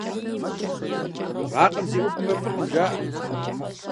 Вакъэм зиӀубмэ, фӀыкъым, жаӀэрт.